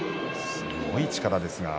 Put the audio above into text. すごい力ですが。